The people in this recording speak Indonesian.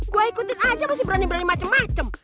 gue ikutin aja masih berani berani macem macem